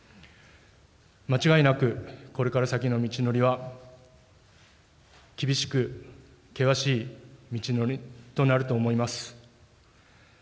間違いなく、これから先の道のりは、厳しく険しい道のりとなると思います。